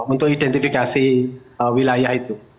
untuk identifikasi wilayah itu